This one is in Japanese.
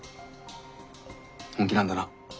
本気なんだな。